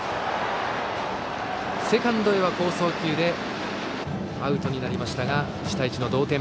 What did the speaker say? セカンドへは好送球でアウトになりましたが１対１の同点。